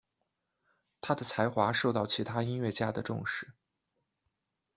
他的才华受到其他音乐家的重视。